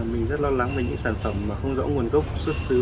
mình rất lo lắng về những sản phẩm mà không rõ nguồn gốc xuất xứ